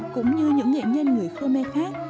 cũng như những nghệ nhân người khmer khác